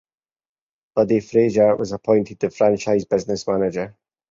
Buddy Frazier was appointed the franchise business manager.